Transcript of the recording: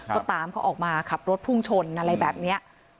ก็ตามเขาออกมาขับรถพุ่งชนอะไรแบบนี้